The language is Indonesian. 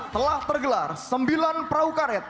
telah tergelar sembilan perahu karet